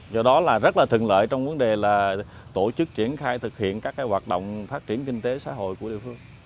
do đó là rất là thường lợi trong vấn đề là tổ chức triển khai thực hiện các hoạt động phát triển kinh tế xã hội của địa phương